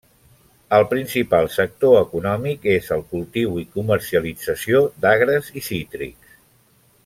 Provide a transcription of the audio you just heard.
El principal sector econòmic és el cultiu i comercialització d'agres i cítrics.